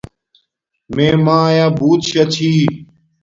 میے مایآ بوت شا چھی